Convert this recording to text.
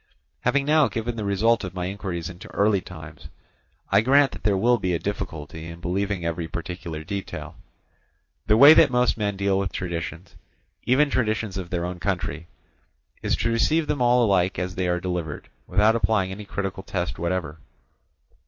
Having now given the result of my inquiries into early times, I grant that there will be a difficulty in believing every particular detail. The way that most men deal with traditions, even traditions of their own country, is to receive them all alike as they are delivered, without applying any critical test whatever.